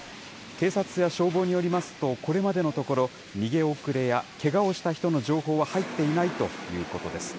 警察や消防によりますと、これまでのところ、逃げ遅れやけがをした人の情報は入っていないということです。